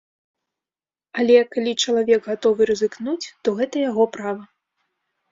Але, калі чалавек гатовы рызыкнуць, то гэта яго права.